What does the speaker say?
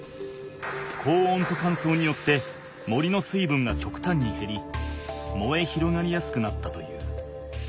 高温とかんそうによって森の水分がきょくたんに減りもえ広がりやすくなったという。